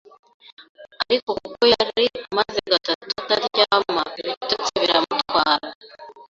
Ariko kuko yari amaze gatatu ataryama ibitotsi biramutwara